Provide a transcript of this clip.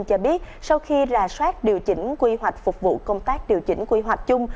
cho biết sau khi rà soát điều chỉnh quy hoạch phục vụ công tác điều chỉnh quy hoạch chung